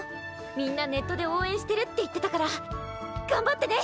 みんなネットで応援してるって言ってたから頑張ってね！